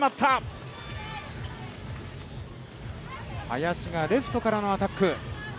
林がレフトからのアタック。